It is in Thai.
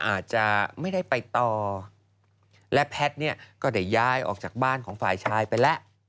อาจจะไม่ได้ไปต่อและแพทย์เนี่ยก็ได้ย้ายออกจากบ้านของฝ่ายชายไปแล้ว